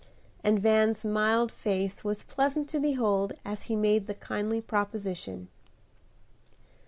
and Van's mild face was pleasant to behold as he made the kindly proposition.